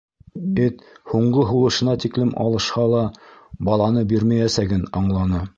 Эт һуңғы һулышына тиклем алышһа ла, баланы бирмәйәсәген аңланы.